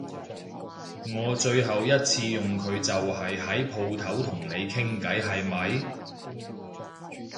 我最後一次用佢就係喺舖頭同你傾偈係咪？